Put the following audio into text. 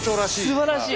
すばらしい！